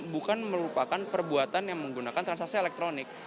bukan merupakan perbuatan yang menggunakan transaksi elektronik